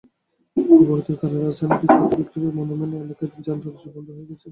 অবরোধের কারণে রাজধানীর বিখ্যাত ভিক্টরি মনুমেন্ট এলাকায় যান চলাচল বন্ধ হয়ে গেছে।